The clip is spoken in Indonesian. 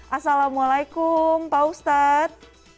assalamualaikum pak ustadz